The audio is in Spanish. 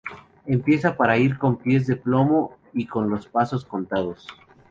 Empieza para ir con pies de plomo y con los pasos contados.